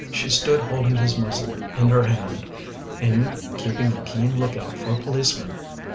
She stood holding his muzzle in her hand, and keeping a keen look out for policemen.